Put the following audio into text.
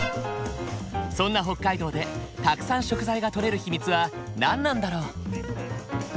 そんな北海道でたくさん食材がとれる秘密は何なんだろう？